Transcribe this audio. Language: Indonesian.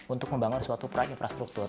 untuk membangun suatu proyek infrastruktur